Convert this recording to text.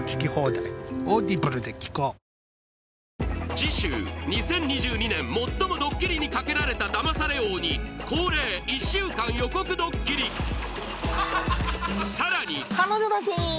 次週２０２２年最もドッキリにかけられたダマされ王に恒例１週間予告ドッキリさらに彼女だしん